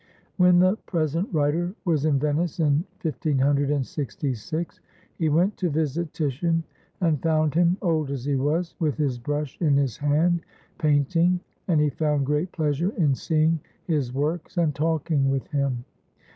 When the present writer was in Venice in 1566, he went to visit Titian, and found him, old as he was, with his brush in his hand, painting, and he found great pleasure in seeing his works and talking with him.